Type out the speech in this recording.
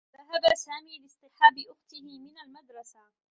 ذهب سامي لاصطحاب أخته من المدرسة.